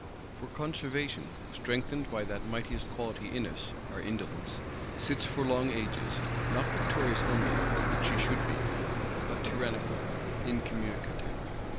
For Conservation, strengthened by that mightiest quality in us, our indolence, sits for long ages, not victorious only, which she should be; but tyrannical, incommunicative.